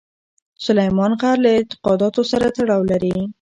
سلیمان غر له اعتقاداتو سره تړاو لري.